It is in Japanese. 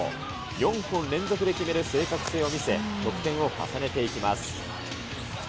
４本連続で決める正確性を見せ、得点を重ねていきます。